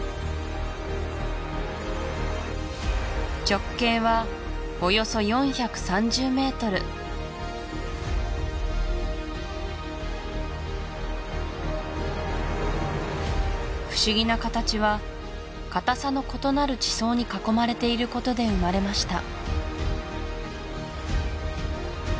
直径はおよそ４３０ｍ不思議な形は硬さの異なる地層に囲まれていることで生まれました